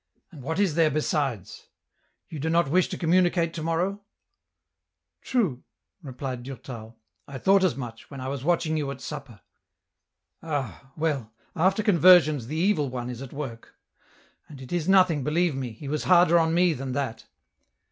And what is there besides ? You do not wish to communicate to morrow ?"" True," replied Durtal. " I thought as much, when I was watching you at supper. Ah ! well, after conversions the Evil One is at work ; and it is nothing, believe me , he was harder on me than that."